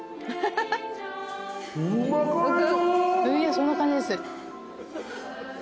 そんな感じです。